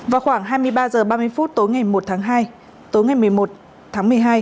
vào khoảng hai mươi ba h ba mươi phút tối ngày một tháng hai tối ngày một mươi một tháng một mươi hai